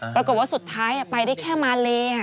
ปรากฏว่าสุดท้ายไปได้แค่มาเล